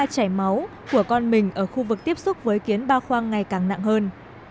chảy máu của con mình ở khu vực tiếp xúc với kiến ba khoang ngày càng nặng hơn